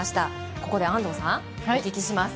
ここで安藤さん、お聞きします。